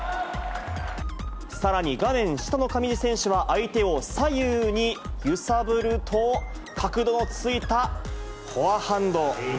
さらに画面下の上地選手は、相手を左右に揺さぶると、角度をついたフォアハンド。